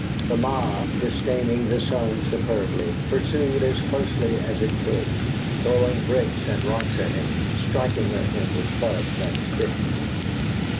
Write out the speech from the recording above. The mob, disdaining the sun superbly, pursued as closely as it could, throwing bricks and rocks at him, striking at him with clubs and sticks.